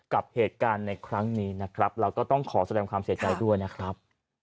กับเหตุการณ์ในครั้งนี้นะครับแล้วก็ต้องขอแสดงความเสียใจด้วยนะครับ